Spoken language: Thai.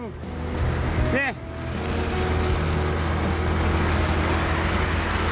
นี่